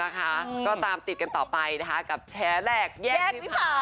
ก็ตามติดกันต่อไปนะคะกับแชร์แหลกแยกวิพา